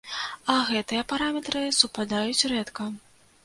А гэтыя параметры супадаюць рэдка.